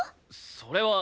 それは。